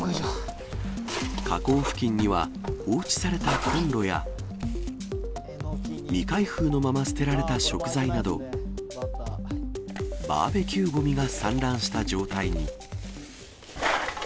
河口付近には、放置されたコンロや、未開封のまま捨てられた食材など、バーベキューごみが散乱した状態に。